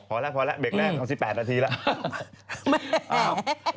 พอแล้วเด็กแหล่งเชัง๒๘นาทีแล้ว